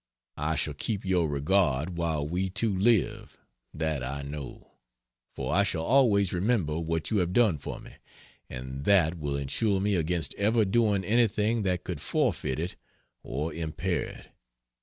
I shall keep your regard while we two live that I know; for I shall always remember what you have done for me, and that will insure me against ever doing anything that could forfeit it or impair it.